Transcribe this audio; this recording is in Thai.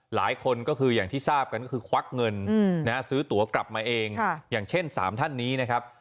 หลายคนก็คืออย่างที่ทราบกันก็คือควักเงินซื้อตัวกลับมาเองอย่างเช่น๓ท่านนี้นะครับ